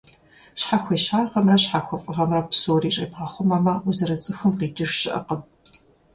Щхьэхуещагъэмрэ щхьэхуэфӀыгъэмрэ псори щӀебгъэхъумэмэ, узэрыцӀыхум къикӀыж щыӀэкъым.